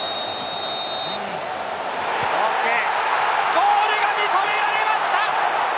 ゴールが認められました！